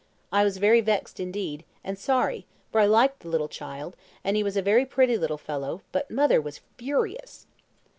I was very vexed indeed, and sorry, for I liked the child, and he was a very pretty little fellow, but mother was furious.